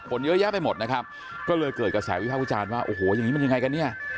คนเยอะแยะไปหมดนะครับก็เลยเกิดกระแสวิภาควิจารณ์ว่าโอ้โหอย่างนี้มันยังไงกันเนี่ย